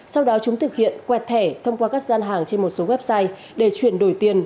sau đó chúng thực hiện quẹt thẻ thông qua các gian hàng trên một số website để chuyển đổi tiền